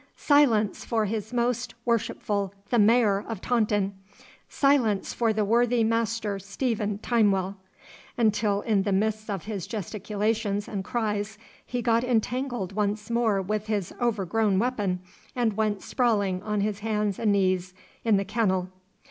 Silence for his most worshipful the Mayor of Taunton! Silence for the worthy Master Stephen Timewell!' until in the midst of his gesticulations and cries he got entangled once more with his overgrown weapon, and went sprawling on his hands and knees in the kennel.